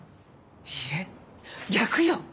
いいえ逆よ！